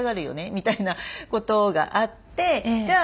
みたいなことがあってじゃあ